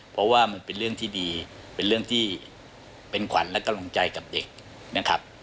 เพราะว่ามันเป็นเรื่องที่ดีเป็นเรื่องที่เป็นขวัญและกำลังใจกับเด็กนะครับ